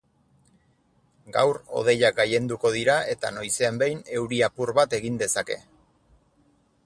Gaur hodeiak gailenduko dira eta noizean behin euri apur bat egin dezake.